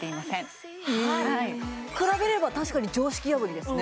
比べれば確かに常識破りですね